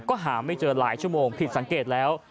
ก็หาไม่เจอหลายชั่วโมงผิดสังเกตแล้ว